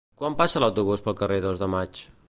Quan passa l'autobús pel carrer Dos de Maig?